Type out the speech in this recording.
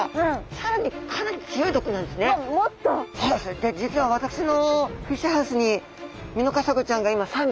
で実は私のフィッシュハウスにミノカサゴちゃんが今３匹いるんですけども。